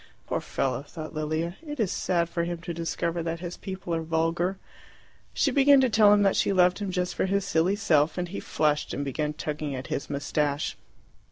"Poor fellow," thought Lilia. "It is sad for him to discover that his people are vulgar." She began to tell him that she loved him just for his silly self, and he flushed and began tugging at his moustache.